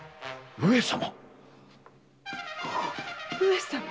上様！